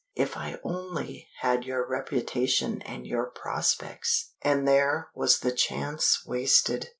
If I only had your reputation and your prospects!" And there was the chance wasted!